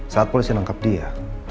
saat polisi menangkap dia